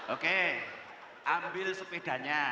oke ambil sepedanya